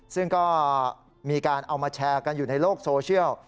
ซึ่งก็มีการเอามาแชร์กันอยู่ในโลกโซเชียล